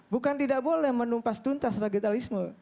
bukan tidak boleh menumpas tuntas radikalisme